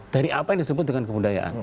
dari apa yang disebut dengan kebudayaan